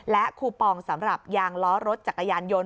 และคูปองสำหรับยางล้อรถจักรยานยนต